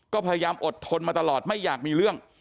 ก็พยายามอดทนมาตลอดไม่อยากมีเรื่อง